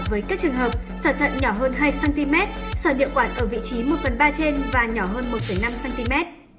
với các trường hợp sỏi thận nhỏ hơn hai cm sợi địa quản ở vị trí một phần ba trên và nhỏ hơn một năm cm